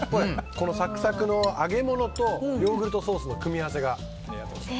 このサクサクの揚げ物とヨーグルトソースの組み合わせが。